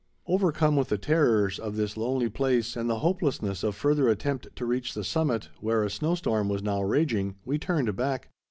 Overcome with the terrors of this lonely place and the hopelessness of further attempt to reach the summit, where a snow storm was now raging, we turned back.